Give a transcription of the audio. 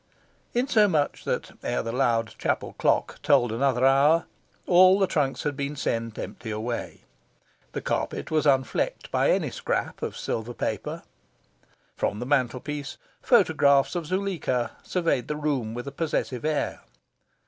Insomuch that ere the loud chapel clock tolled another hour all the trunks had been sent empty away. The carpet was unflecked by any scrap of silver paper. From the mantelpiece, photographs of Zuleika surveyed the room with a possessive air.